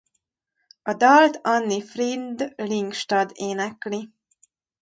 A dalt Anni-Frid Lyngstad énekli.